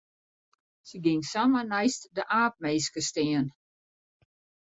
Se gyng samar neist de aapminske stean.